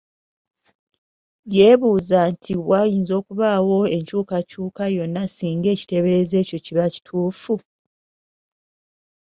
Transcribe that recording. Yeebuuza nti wayinza okubaawo enkyukakyuka yonna singa ekiteeberezo ekyo kiba kituufu?